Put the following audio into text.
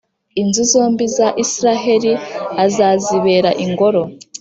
Inzu zombi za Israheli, azazibera Ingoro,